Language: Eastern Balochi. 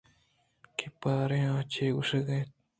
کہ باریں آ چے گوٛشگا اِنت